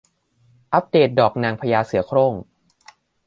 อัปเดตดอกนางพญาเสือโคร่ง